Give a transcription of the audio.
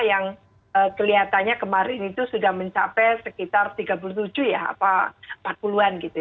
yang kelihatannya kemarin itu sudah mencapai sekitar tiga puluh tujuh ya apa empat puluh an gitu